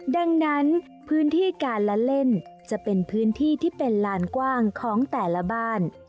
ดังนั้นพื้นที่การละเล่นจะเป็นพื้นที่ที่เป็นลานกว้างของแต่ละบ้าน